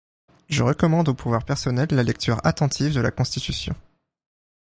Je recommande au pouvoir personnel la lecture attentive de la constitution.